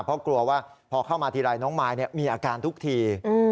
เพราะกลัวว่าพอเข้ามาทีไรน้องมายมีอาการทุกที